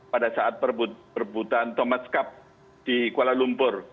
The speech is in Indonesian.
pada saat perebutan thomas cup di kuala lumpur